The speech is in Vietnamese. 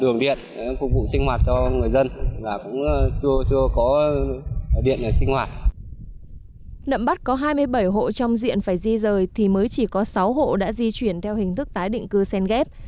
nậm bắc có hai mươi bảy hộ trong diện phải di rời thì mới chỉ có sáu hộ đã di chuyển theo hình thức tái định cư sen ghép